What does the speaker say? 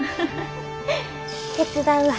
手伝うわ。